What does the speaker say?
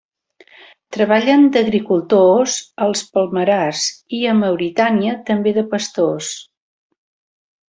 Treballen d'agricultors als palmerars i a Mauritània també de pastors.